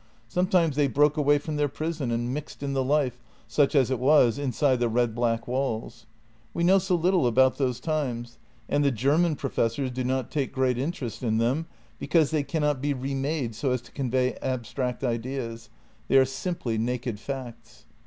Sometimes they broke away from their prison and mixed in the life, such as it was, inside the red black walls. We know so little about those times, and the German professors do not take great interest in them, because they cannot be remade so as to convey abstract ideas; they are simply naked facts.